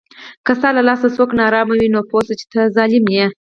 که ستا له لاسه څوک ناارام وي، نو پوه سه چې ته ظالم یې